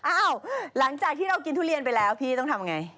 หลังจากที่เรากินทุเรียนไปแล้วพี่ต้องทำไง